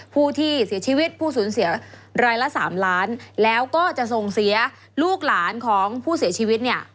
ผู้ที่เสียชีวิตผู้สูญเสียรายละ๓ล้านแล้วก็จะส่งเสียลูกหลานของผู้เสียชีวิตเนี่ย